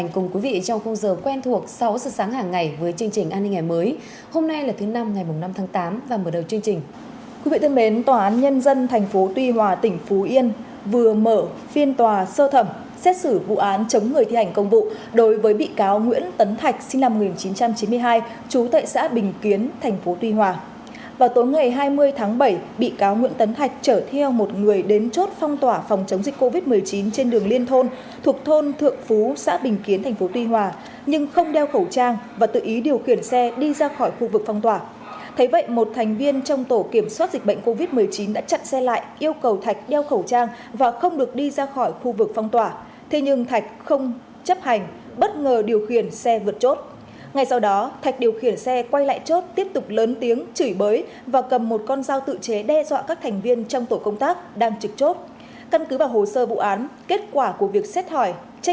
chào mừng quý vị đến với bộ phim hãy nhớ like share và đăng ký kênh của chúng mình nhé